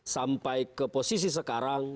sampai ke posisi sekarang